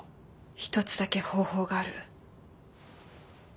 一つだけ方法がある。